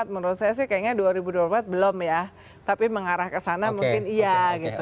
menurut saya sih kayaknya dua ribu dua puluh empat belum ya tapi mengarah ke sana mungkin iya gitu